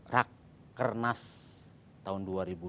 rak kernas tahun dua ribu dua puluh